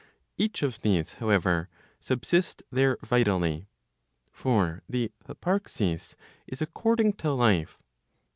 Each of these however, subsist there vitally. For the hyparxis is according to life.